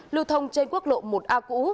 lưu thông trên quốc lộ một a cũ